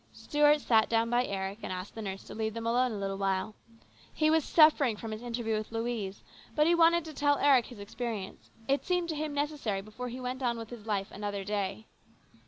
Stuart sat down by Eric, and asked the nurse to leave them alone a little while. He was suffering from his interview with Louise, but he wanted to tell Eric his experience. It seemed to him necessary before he went on with his life another day.